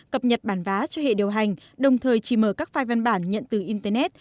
cập nhật bản vá cho hệ điều hành đồng thời chỉ mở các file văn bản nhận từ internet